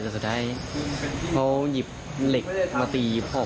แล้วสุดท้ายเขาหยิบเหล็กมาตีพ่อ